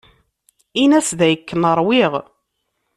Ini-as dakken ṛwiɣ.